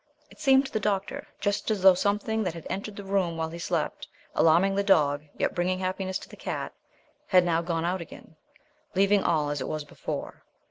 It seemed to the doctor just as though something that had entered the room while he slept, alarming the dog, yet bringing happiness to the cat, had now gone out again, leaving all as it was before.